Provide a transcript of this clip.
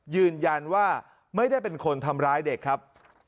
ยืนยันว่าไม่ได้เป็นคนทำร้ายเด็กครับ